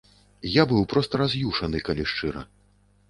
Я быў проста раз'юшаны, калі шчыра.